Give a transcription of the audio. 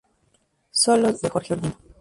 Solos, de Jorge Olguín.